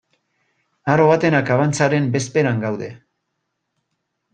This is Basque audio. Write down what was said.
Aro baten akabantzaren bezperan gaude.